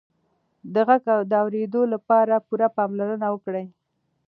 د غږ د اورېدو لپاره پوره پاملرنه وکړه.